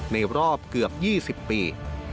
ในรอบเกือบ๒๐ปี